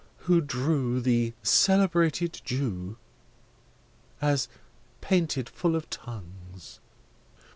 — "who drew The celebrated Jew," as painted full of tongues.